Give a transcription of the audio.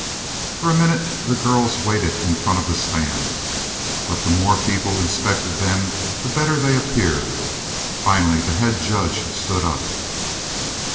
For a minute the girls waited in front of the stand. But the more people inspected them the better they appeared. Finally, the head judge stood up.